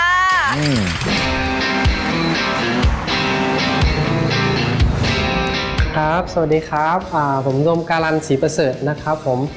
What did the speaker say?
สวัสดีครับสวัสดีครับผมดมการันศรีประเสริฐนะครับผม